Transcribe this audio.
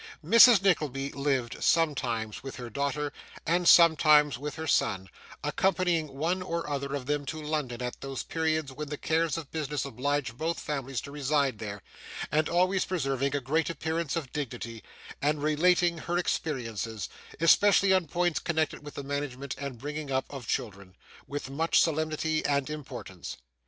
Mrs. Nickleby lived, sometimes with her daughter, and sometimes with her son, accompanying one or other of them to London at those periods when the cares of business obliged both families to reside there, and always preserving a great appearance of dignity, and relating her experiences (especially on points connected with the management and bringing up of children) with much solemnity and importance.